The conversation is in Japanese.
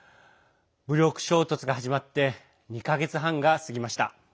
武力衝突が始まって２か月半が過ぎました。